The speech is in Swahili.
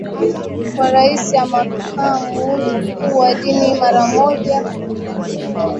kwa Rais na Makamu kuwa dini moja mara nyingi hii ikitokea wakati Rais wa